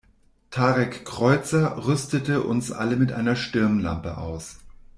Tarek Kreuzer rüstete uns alle mit einer Stirnlampe aus.